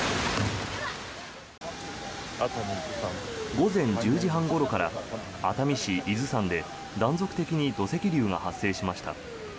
午前１０時半ごろから熱海市伊豆山で断続的に土石流が発生しました。